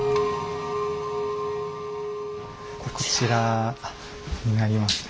こちらになりますね。